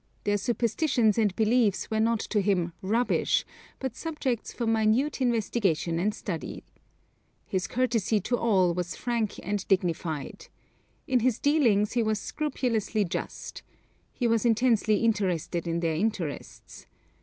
Their superstitions and beliefs were not to him 'rubbish,' but subjects for minute investigation and study. His courtesy to all was frank and dignified. In his dealings he was scrupulously just. He was intensely interested in their interests.